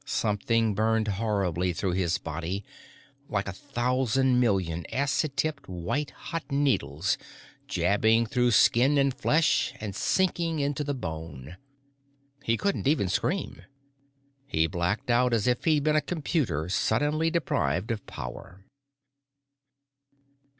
Something burned horribly through his body, like a thousand million acid tipped, white hot needles jabbing through skin and flesh and sinking into the bone. He couldn't even scream. He blacked out as if he'd been a computer suddenly deprived of power.